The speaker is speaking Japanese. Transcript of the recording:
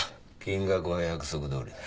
金額は約束どおりだ。